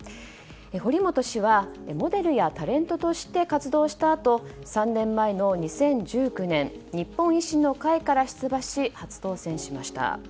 堀本氏はモデルやタレントとして活動したあと３年前の２０１９年日本維新の会から出馬し初当選しました。